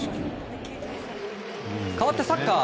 かわってサッカー。